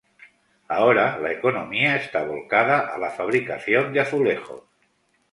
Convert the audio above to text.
Ahora la economía está volcada a la fabricación de azulejos.